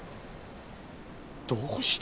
どうして？